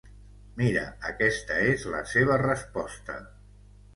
Mira, aquesta és la seva resposta.